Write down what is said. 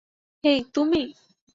হেই, তুমি।